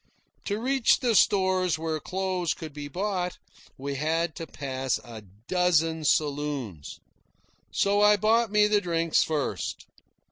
To reach the stores where clothes could be bought, we had to pass a dozen saloons. So I bought me the drinks first.